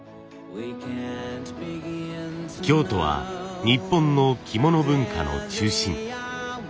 京都は日本の着物文化の中心。